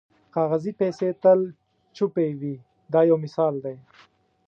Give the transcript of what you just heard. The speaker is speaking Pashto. کاغذي پیسې تل چوپې وي دا یو مثال دی.